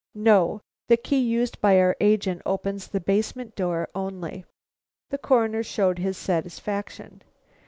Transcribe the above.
"No. The key used by our agent opens the basement door only." The Coroner showed his satisfaction.